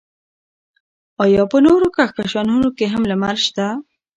ایا په نورو کهکشانونو کې هم لمر شته؟